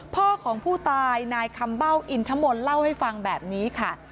พ่อของผู้ตายนายคำเบ้าอินทมนต์เล่าให้ฟังแบบนี้ค่ะ